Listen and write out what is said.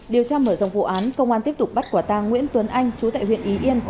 điều tra mở rộng vụ án công an tiếp tục bắt quả tang nguyễn tuấn anh chú tại huyện y yên